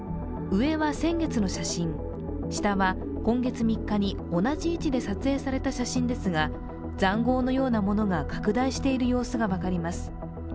上は先月の写真、下は今月３日に同じ位置で撮影された写真ですが、ざんごうのようなものが拡大している様子が分かります。